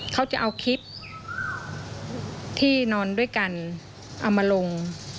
เขาจะเอาคลิปที่นอนด้วยกันเอามาลง